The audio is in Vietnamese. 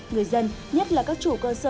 người dân nhất là các chủ cơ sở